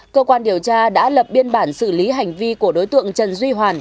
cơ quan điều tra đã lập biên bản xử lý hành vi của đối tượng trần duy hoàn